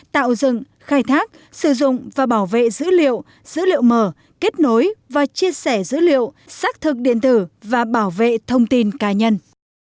tạo dựng khai thác sử dụng và bảo vệ dữ liệu dữ liệu mở kết nối và chia sẻ dữ liệu xác thực điện tử và bảo vệ thông tin cá nhân